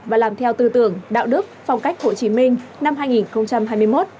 và làm theo tư tưởng đạo đức phong cách hồ chí minh năm hai nghìn hai mươi một